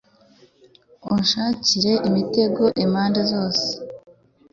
unshandikire imitego impande zose